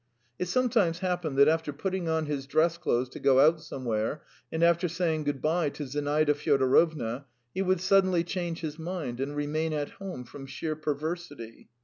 It sometimes happened that after putting on his dress clothes to go out somewhere, and after saying good bye to Zinaida Fyodorovna, he would suddenly change his mind and remain at home from sheer perversity.